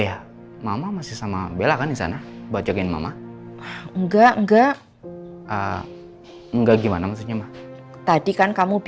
andi tuh sempet pacaran dengan adik kamu